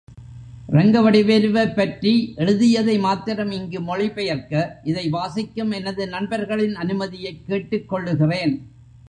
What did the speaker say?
ரங்கவடிவேலுவைப்பற்றி எழுதியதை மாத்திரம் இங்கு மொழி பெயர்க்க, இதை வாசிக்கும் எனது நண்பர்களின் அனுமதியைக் கேட்டுக்கொள்ளுகிறேன்.